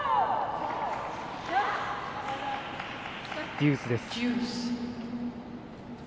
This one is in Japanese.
デュースです。